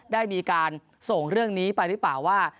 ได้มีการส่งเรื่องนี้ไปหรือเปล่าว่า